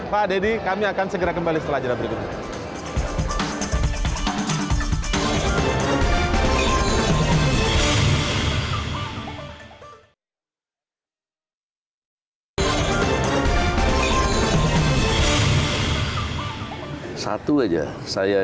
pak deddy kami akan segera kembali setelah jalan berikutnya